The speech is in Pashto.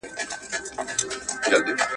کشکي ستا پر لوڅ بدن وای ځلېدلی!.